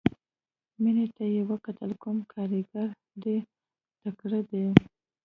مينې ته يې وکتل کوم کارګر دې تکړه دى.